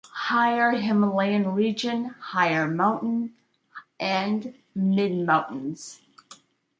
Higher Himalayan Region, Higher Mountain and mid - Mountains.